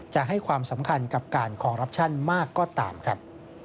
จะให้ความสำคัญกับการคอรัปชั่นมากก็ตามครับ